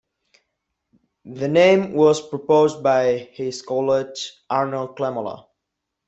The name was proposed by his college Arnold Klemola.